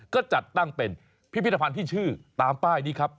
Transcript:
ก็จัดตั้งเป็นพิพิธภัณฑ์ที่ชื่อตามป้ายนี้ครับ